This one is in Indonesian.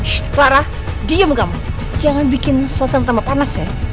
shh clara diam kamu jangan bikin suasana tambah panas ya